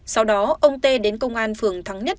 sau đó ông tê đến công an phường thắng nhất